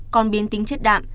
còn biến tính chất đạm